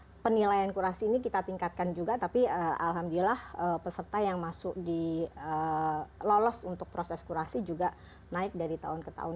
nah penilaian kurasi ini kita tingkatkan juga tapi alhamdulillah peserta yang masuk di lolos untuk proses kurasi juga naik dari tahun ke tahun